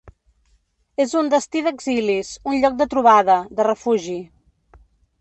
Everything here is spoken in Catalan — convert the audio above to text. És un destí d’exilis, un lloc de trobada, de refugi.